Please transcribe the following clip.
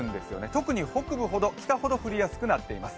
特に北部ほど降りやすくなっています。